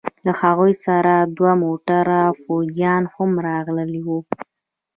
له هغوى سره دوه موټره فوجيان هم راغلي وو.